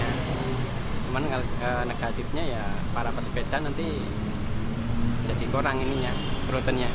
cuman negatifnya ya para pesepeda nanti jadi kurang ini ya proteinnya